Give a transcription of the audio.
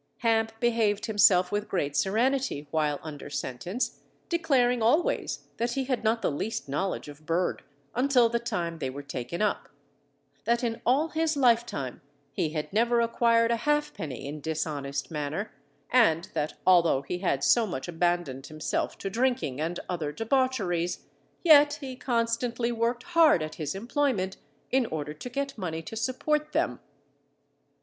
Hamp behaved himself with great serenity while under sentence, declaring always that he had not the least knowledge of Bird until the time they were taken up; that in all his life time he had never acquired a halfpenny in a dishonest manner, and that although he had so much abandoned himself to drinking and other debaucheries, yet he constantly worked hard at his employment, in order to get money to support them.